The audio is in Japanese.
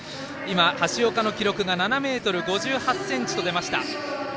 橋岡の記録が７ｍ５８ｃｍと出ました。